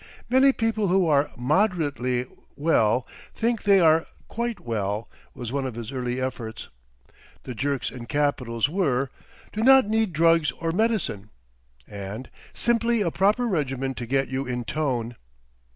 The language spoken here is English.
"Many people who are MODERATELY well think they are QUITE well," was one of his early efforts. The jerks in capitals were, "DO NOT NEED DRUGS OR MEDICINE," and "SIMPLY A PROPER REGIMEN TO GET YOU IN TONE."